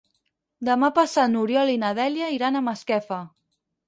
Demà passat n'Oriol i na Dèlia iran a Masquefa.